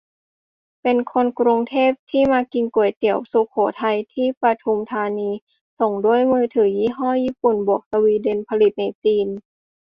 เป็นคนกรุงเทพ ที่มากินก๋วยเตี๋ยวสุโขทัย ที่ปทุมธานี ส่งด้วยมือถือยี่ห้อญี่ปุ่นบวกสวีเดน ผลิตในจีน